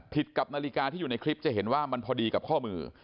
กับนาฬิกาที่อยู่ในคลิปจะเห็นว่ามันพอดีกับข้อมือ